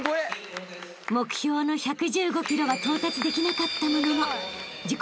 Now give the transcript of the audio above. ［目標の１１５ｋｇは到達できなかったものの自己